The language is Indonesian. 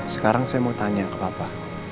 sekarang saya mau tanya ke bapak